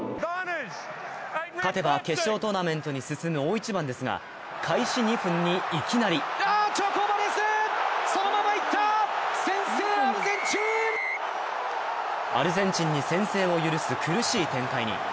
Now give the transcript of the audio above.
勝てば決勝トーナメントに進む大一番ですが開始２分にいきなりアルゼンチンに先制を許す苦しい展開に。